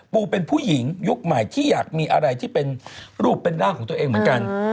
ปูเป็นผู้หญิงยุคใหม่ที่อยากมีอะไรที่เป็นรูปเป็นร่างของตัวเองเหมือนกัน